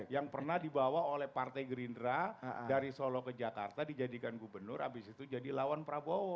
yang pernah dibawa oleh partai gerindra dari solo ke jakarta dijadikan gubernur abis itu jadi lawan prabowo